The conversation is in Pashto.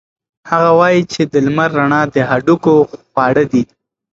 هغه وایي چې د لمر رڼا د هډوکو خواړه دي.